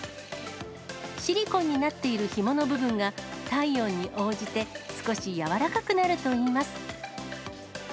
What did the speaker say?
シリコンになっているひもの部分が体温に応じて少し柔らかくなるといいます。